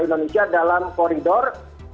indonesia dalam koridor